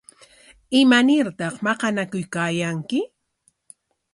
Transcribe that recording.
¿Imanartaq maqanakuykaayanki?